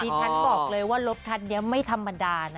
ฉันบอกเลยว่ารถคันนี้ไม่ธรรมดานะ